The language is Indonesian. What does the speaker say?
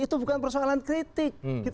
itu bukan persoalan kritik